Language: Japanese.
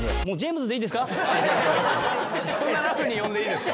そんなラフに呼んでいいんですか？